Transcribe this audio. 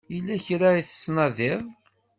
Yella kra i tettnadiḍ?